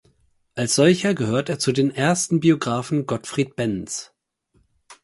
Als solcher gehört er zu den ersten Biografen Gottfried Benns.